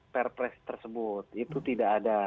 perpres tersebut itu tidak ada